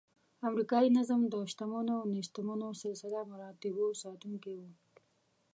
امریکایي نظم د شتمنو او نیستمنو سلسله مراتبو ساتونکی و.